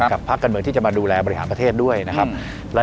ภาคการเมืองที่จะมาดูแลบริหารประเทศด้วยนะครับ